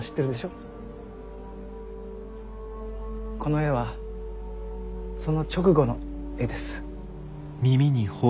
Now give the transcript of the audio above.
この絵はその直後の絵です。